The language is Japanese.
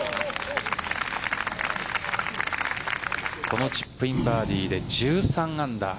このチップインバーディーで１３アンダー。